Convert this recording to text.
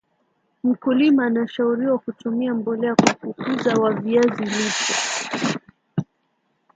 mkulima anashauriwa kutumia mbolea kwa kukuza wa viazi lishe